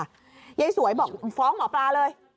ยายสวยบอกฟ้องหมอปลาเลย